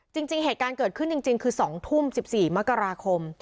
จริงเหตุการณ์เกิดขึ้นจริงคือ๒ทุ่ม๑๔มกราคม